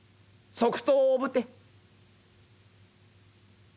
即答をぶて。